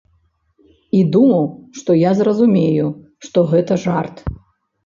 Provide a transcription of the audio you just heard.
І думаў, што я зразумею, што гэта жарт.